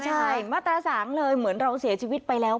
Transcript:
ใช่มาตรสางเลยเหมือนเราเสียชีวิตไปแล้ว